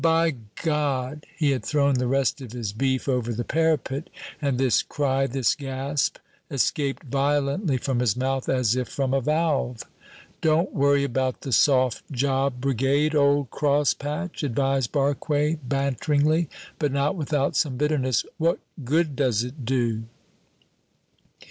"By God!" He had thrown the rest of his beef over the parapet, and this cry, this gasp, escaped violently from his mouth as if from a valve. "Don't worry about the soft job brigade, old cross patch," advised Barque, banteringly, but not without some bitterness. "What good does it do?"